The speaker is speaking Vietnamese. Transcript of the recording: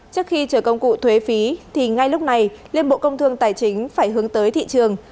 trước khi chở công cụ thuế phí thì ngay lúc này liên bộ công thương tài chính phải hướng tới thị trường